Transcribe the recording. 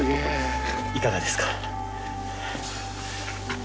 いかがですか？